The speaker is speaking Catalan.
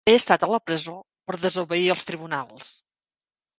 He estat a la presó per desobeir els tribunals.